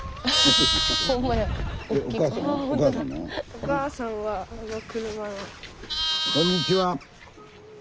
おかあさんはこんにちは。